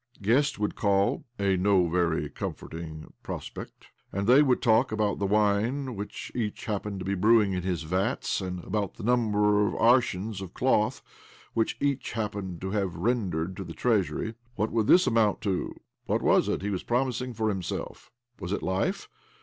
Guests would call (a na very comforting prospect !), and they Would talk about the wine which each hap pened to be brewing in his vats, and about the number of arshins " of cloth which each happened to have rendered to the Treasury>\ What would this amount to? What was it he was promising for himself? Was it life?